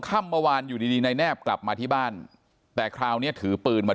ค่ำเมื่อวานอยู่ดีดีนายแนบกลับมาที่บ้านแต่คราวนี้ถือปืนมา